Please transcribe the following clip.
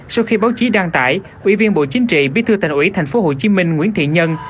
sau khi báo chí đăng tải ủy viên bộ chính trị bí thư thành ủy tp hcm nguyễn thiện nhân